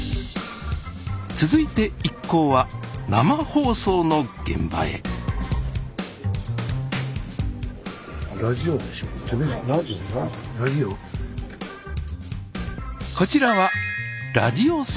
続いて一行は生放送の現場へラジオ？